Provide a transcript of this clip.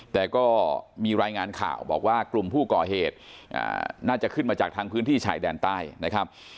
แต่ก็มีรายงานข่าวบอกว่ากลุ่มผู้ก่อเหตุน่าจะขึ้นมาจากทางพื้นที่ชายแดนใต้นะครับ